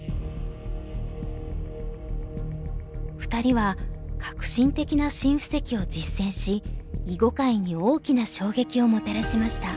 ２人は革新的な新布石を実践し囲碁界に大きな衝撃をもたらしました。